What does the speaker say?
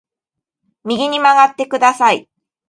右に曲がってください